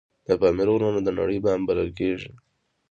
د پامیر غرونه د نړۍ بام بلل کیږي